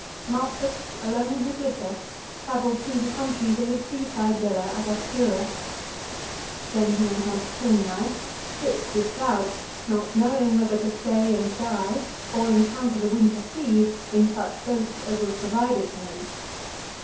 Marcus, alone in his litter, travelled through the country to his sea side villa at Astura. Then he went on to Formise, sick with doubt, not knowing whether to stay and die or encounter the winter sea in such boat as was provided for him.